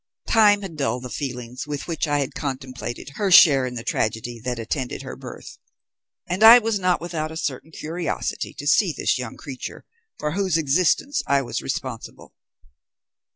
Time had dulled the feelings with which I had contemplated her share in the tragedy that attended her birth, and I was not without a certain curiosity to see this young creature for whose existence I was responsible.